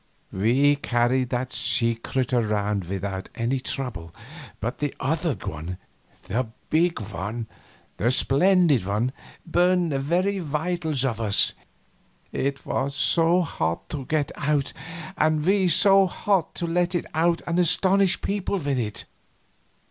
We carried that secret around without any trouble, but the other one, the big one, the splendid one, burned the very vitals of us, it was so hot to get out and we so hot to let it out and astonish people with it.